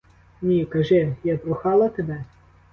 Ні, кажи, я прохала тебе?!